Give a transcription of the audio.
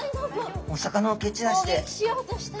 お魚を蹴散らして。